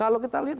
kalau kita lihat